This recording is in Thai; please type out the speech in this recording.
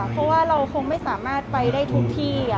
เพราะว่าเราคงไม่สามารถไปได้ทุกที่